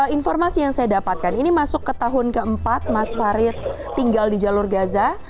informasi yang saya dapatkan ini masuk ke tahun keempat mas farid tinggal di jalur gaza